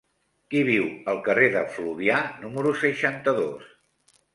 Qui viu al carrer de Fluvià número seixanta-dos?